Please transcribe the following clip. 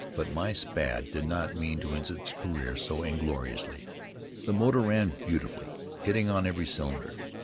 But my Spad did not mean to end its career so ingloriously. The motor ran beautifully, hitting on every cylinder.